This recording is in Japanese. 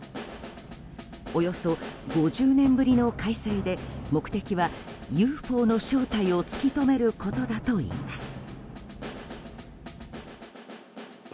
およそ５０年ぶりの開催で目的はＵＦＯの正体を突き止めることだといいます。